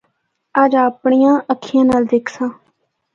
اجّ اپنڑیا اکھّیاں نال دِکھساں۔